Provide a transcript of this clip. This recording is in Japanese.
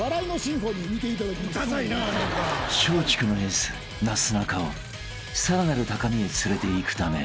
［松竹のエースなすなかをさらなる高みへ連れていくため］